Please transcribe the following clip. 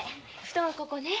布団はここね。